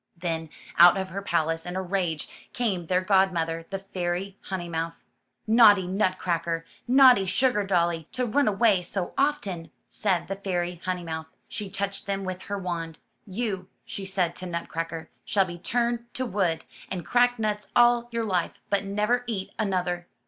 Then, out of her palace in a rage came their god mother, the Fairy Honeymouth. Naughty Nutcracker, naughty Sugardolly to run away so often,'' said the Fairy Honeymouth. She touched them with her wand. *'You," she said to Nutcracker, ''shall be turned to wood, and crack nuts all your life, but never eat another."